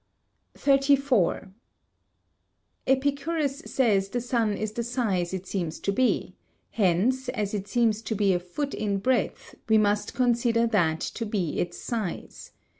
34. Epicurus says the sun is the size it seems to be; hence, as it seems to be a foot in breadth, we must consider that to be its size.